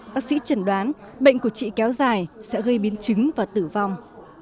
bác sĩ chẩn đoán bệnh của chị kéo dài sẽ gây biến chứng và tử vong